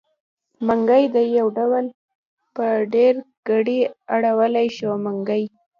منګی يو ډول په ډېرګړي اړولی شو؛ منګي.